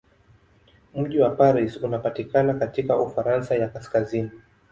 Mji wa Paris unapatikana katika Ufaransa ya kaskazini.